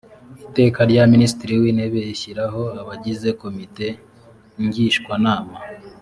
iteka rya minisitiri w intebe rishyiraho abagize komite ngishwanama